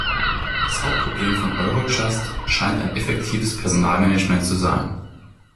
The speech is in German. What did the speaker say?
Das Hauptproblem von Eurojust scheint ein effektives Personalmanagement zu sein.